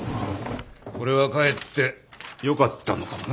これはかえってよかったのかもな。